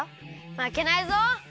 まけないぞ！